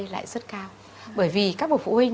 lại rất cao bởi vì các bậc phụ huynh